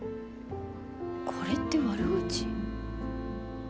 これって悪口？